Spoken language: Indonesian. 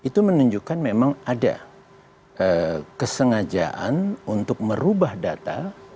itu menunjukkan memang ada kesengajaan untuk merubah data dalam langkah untuk melancarkan partai politik lokal